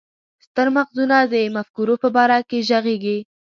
ستر مغزونه د مفکورو په باره کې ږغيږي.